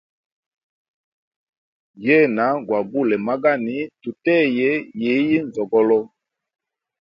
Yena gwa gule magani tuteye yiyi nzogolo.